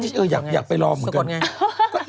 คุณหมอโดนกระช่าคุณหมอโดนกระช่า